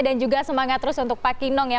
dan juga semangat terus untuk pak kinong ya